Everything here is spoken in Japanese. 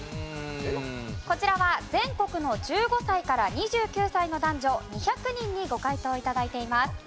こちらは全国の１５歳から２９歳の男女２００人にご回答頂いています。